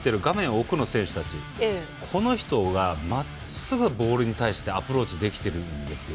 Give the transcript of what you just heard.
奥の選手たちがまっすぐボールに対してアプローチできているんですよ。